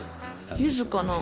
ゆずかな？